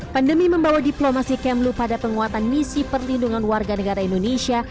pandemi membawa diplomasi kemlu pada penguatan misi perlindungan warga negara indonesia